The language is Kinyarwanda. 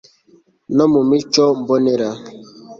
no mu mico mbonera